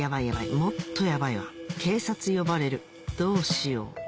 もっとヤバいわ警察呼ばれるどうしよう